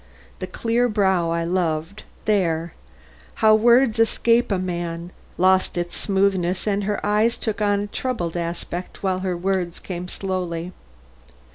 The clear brow I loved there! how words escape a man! lost its smoothness and her eyes took on a troubled aspect, while her words came slowly.